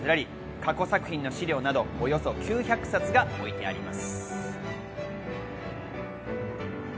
過去作品の資料など、およそ９００冊が置いてあります。